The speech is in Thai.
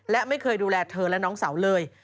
และไม่เคยดูแลเธอและน้องสาวเลย